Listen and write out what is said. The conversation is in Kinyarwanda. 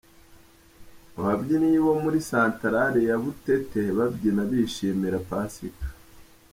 Ababyinnyi bo muri santarari ya Butete babyina bishimira Pasika.